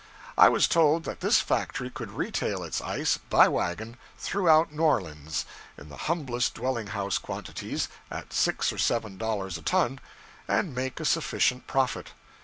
I was told that this factory could retail its ice, by wagon, throughout New Orleans, in the humblest dwelling house quantities, at six or seven dollars a ton, and make a sufficient profit.